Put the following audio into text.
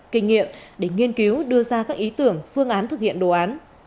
kinh nghiệm để nghiên cứu đưa ra các ý tưởng phương án thực hiện đồ án